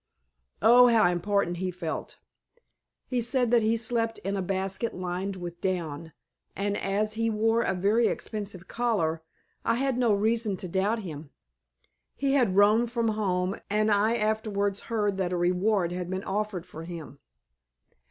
Oh, how important he felt! He said that he slept in a basket lined with down, and, as he wore a very expensive collar, I had no reason to doubt him. He had roamed from home and I afterwards heard that a reward had been offered for him.